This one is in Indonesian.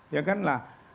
ya kan lah